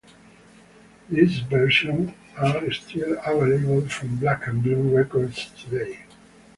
These versions are still available from Black and Blue Records today.